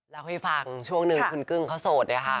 เล่าให้ฟังช่วงหนึ่งคุณกึ้งเขาโสดเนี่ยค่ะ